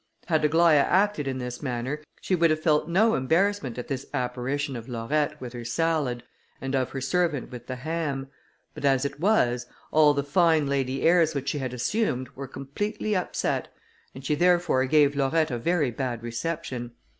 Had Aglaïa acted in this manner, she would have felt no embarrassment at this apparition of Laurette, with her salad, and of her servant with the ham; but as it was, all the fine lady airs which she had assumed, were completely upset, and she therefore gave Laurette a very bad reception.